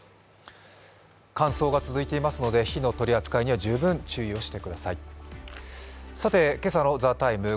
乾燥が続いていますので火の取り扱いには十分注意してください。